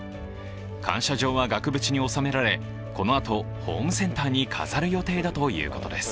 感謝状は額縁に収められ、このあとホームセンターに飾る予定だということです。